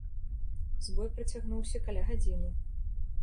Збой працягнуўся каля гадзіны.